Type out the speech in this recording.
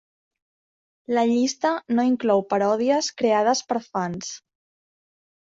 La llista no inclou paròdies creades per fans.